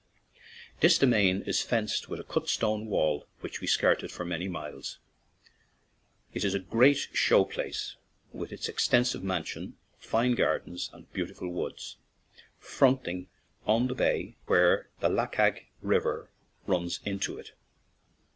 This demesne is fenced with a cut stone wall which we skirted for many miles. It is a great show 21 ON AN IRISH JAUNTING CAR place, with its extensive mansion, fine gardens, and beautiful woods, fronting on the bay where the Lackagh River runs into it.